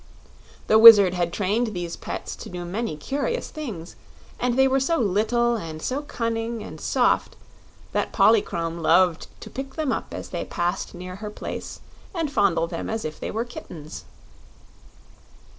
The Wizard had trained these pets to do many curious things, and they were so little and so cunning and soft that Polychrome loved to pick them up as they passed near her place and fondle them as if they were kittens.